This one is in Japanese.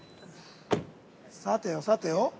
◆さてよ、さてよ。